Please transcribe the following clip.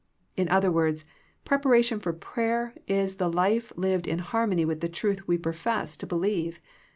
In other words, preparation for prayer is the life lived in harmony with the truth we profess to believe.